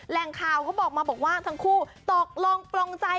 แหล่งข่าวเขาบอกมาบอกว่าทั้งคู่ตกลงปลงใจ